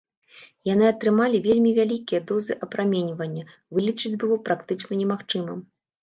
Яны атрымалі вельмі вялікія дозы апраменьвання, вылечыць было практычна немагчыма.